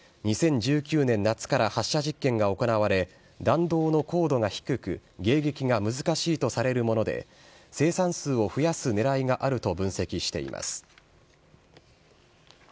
２０１９年夏から発射実験が行われ、弾道の高度が低く、迎撃が難しいとされるもので、生産数を増やすねらいがあると分析しています。